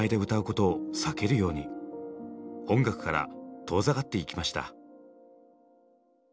音楽から遠ざかっていきました。